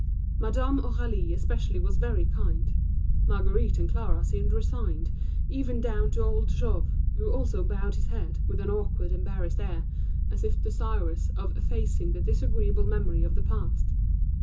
Madame Aurélie especially was very kind; Marguerite and Clara seemed resigned; even down to old Jouve, who also bowed his head, with an awkward embarrassed air, as if desirous of effacing the disagreeable memory of the past.